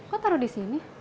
kok taruh di sini